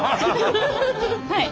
はい。